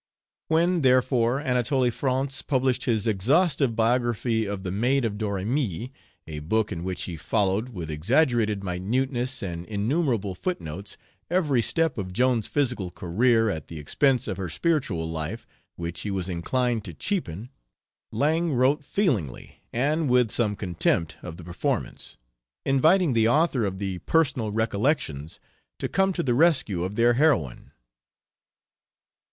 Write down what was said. When, therefore, Anatole France published his exhaustive biography of the maid of Domremy, a book in which he followed, with exaggerated minuteness and innumerable footnotes, every step of Joan's physical career at the expense of her spiritual life, which he was inclined to cheapen, Lang wrote feelingly, and with some contempt, of the performance, inviting the author of the Personal Recollections to come to the rescue of their heroine.